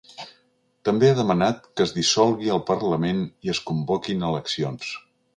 També ha demanat que es dissolgui el parlament i es convoquin eleccions.